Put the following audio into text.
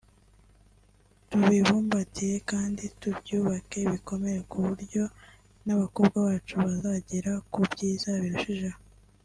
tubibumbatire kandi tubyubake bikomere ku buryo n’abakobwa bacu bazagera ku byiza birushijeho